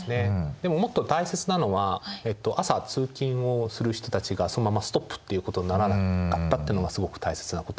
でももっと大切なのは朝通勤をする人たちがそのままストップっていうことにならなかったっていうのがすごく大切なことだと思うんですよね。